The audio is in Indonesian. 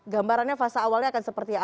gambarannya fase awalnya akan seperti apa